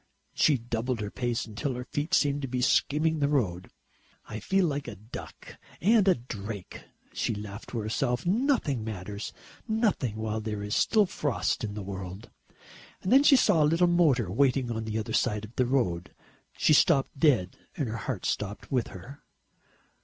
She doubled her pace until her feet seemed to be skimming the road. "I feel like a duck and drake," she laughed to herself. "Nothing matters, nothing, while there is still frost in the world." And then she saw a little motor waiting on the other side of the road. She stopped dead and her heart stopped with her.